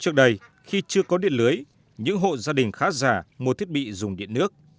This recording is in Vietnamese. trước đây khi chưa có điện lưới những hộ gia đình khá giả mua thiết bị dùng điện nước